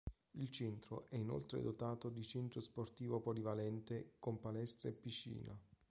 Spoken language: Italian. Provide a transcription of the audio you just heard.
Il Centro è inoltre dotato di centro sportivo polivalente con palestra e piscina.